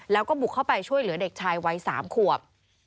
แล้วก็บุกเข้าไปช่วยเหลือเด็กชายวัย๓ขวบ